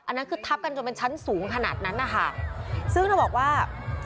อันนั้นคือทับกันจนเป็นชั้นสูงขนาดนั้นนะคะซึ่งเธอบอกว่า